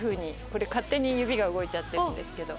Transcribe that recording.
これ勝手に指が動いちゃってるんですけど。